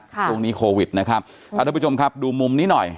ช่วงนี้โควิดนะครับท่านผู้ชมครับดูมุมนี้หน่อย